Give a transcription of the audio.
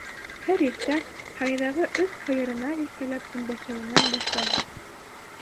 Һәр иртә һарайҙағы өс һыйырына иркәләп өндәшеүенән башлана.